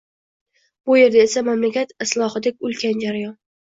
Bu yerda esa mamlakat islohidek ulkan jarayon!